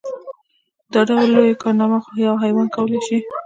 دا ډول لويه کارنامه خو يو حيوان کولی شي.